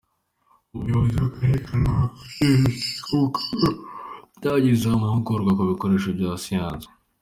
Umuyobozi w’akarere ka Ruhango wungirije ushinzwe ubukungu atangiza amahugurwa ku bikoresho bya science.